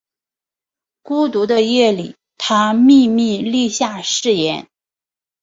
孤独的夜里他秘密立下誓言